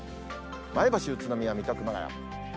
前橋、宇都宮、水戸、熊谷。